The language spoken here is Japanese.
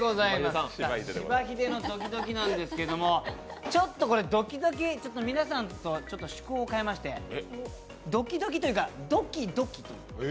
しばひでのドキドキなんですけども、ちょっとドキドキ皆さんと趣向を変えましてドキドキというか、土器土器。